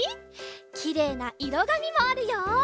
きれいないろがみもあるよ。